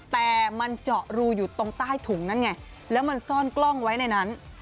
แต่มันเจาะรูอยู่ตรงใต้ถุงนั่นไงแล้วมันซ่อนกล้องไว้ในนั้น